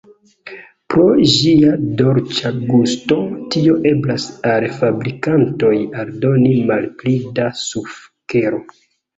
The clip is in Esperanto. Pro ĝia dolĉa gusto, tio eblas al fabrikantoj aldoni malpli da sukero.